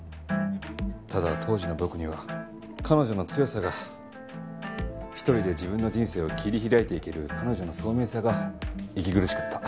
ただ当時の僕には彼女の強さが一人で自分の人生を切り開いていける彼女の聡明さが息苦しかった。